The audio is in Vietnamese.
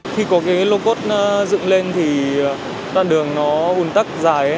khi có cái lô cốt dựng lên thì đoạn đường nó ủn tắc dài